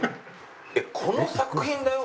この作品だよ？